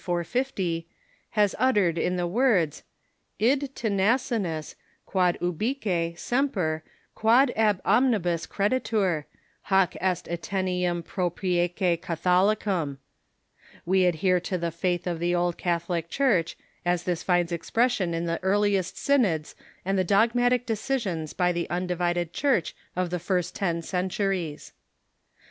450) has uttered in the words, Id teneamus, quod ubique, semper, quod ah omnibus credltur, hoc est ete7iini pro prieque Catholicum ; we adhere to the faith of the old Cath olic Church as this finds expression in the earliest synods and the dogmatic decisions by the undivided Church of the first ten centuries.